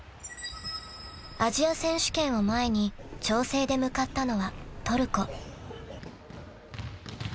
［アジア選手権を前に調整で向かったのはトルコ］